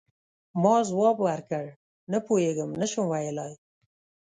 ما ځواب ورکړ: نه پوهیږم، نه شم ویلای.